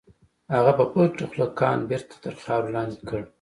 هغه په پټه خوله کان بېرته تر خاورو لاندې کړ.